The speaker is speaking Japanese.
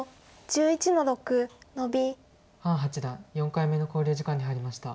潘八段４回目の考慮時間に入りました。